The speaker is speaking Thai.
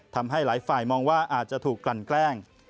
ทำให้หลายฝ่ายมองว่าอาจจะถูกกลั่นแกล้ง